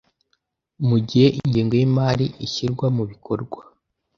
mu gihe ingengo y imari ishyirwa mu bikorwa